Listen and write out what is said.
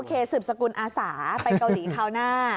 เคสืบสกุลอาสาไปเกาหลีคราวหน้า